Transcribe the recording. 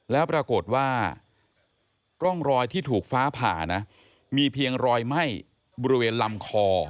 แล้วปรากฏว่าร่องรอยที่ถูกฟ้าผ่านะมีเพียงรอยไหม้บริเวณลำคอ